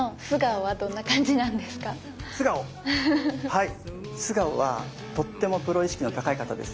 はい素顔はとってもプロ意識の高い方ですね。